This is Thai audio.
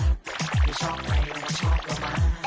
อ้าวไม่เชื่อก็ลองดูสิล่ะ